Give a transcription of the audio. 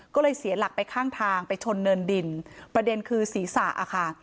ก็เลยเสียหลักไปข้างทางไปชนเนินดินประเด็นคือศีรษะอ่ะค่ะ